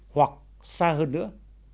hoặc xa hơn nữa